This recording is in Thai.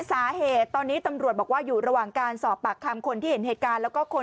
สาเหตุตอนนี้ตำรวจบอกอยู่ระหว่างการสอบปากคำ